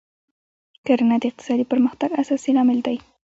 کرنه د اقتصادي پرمختګ اساسي لامل دی.